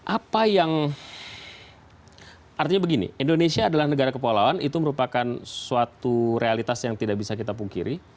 apa yang artinya begini indonesia adalah negara kepulauan itu merupakan suatu realitas yang tidak bisa kita pungkiri